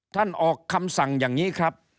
ออกคำสั่งอย่างนี้ครับ